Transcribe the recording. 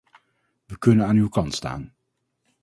We kunnen aan uw kant staan.